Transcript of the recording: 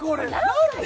何で？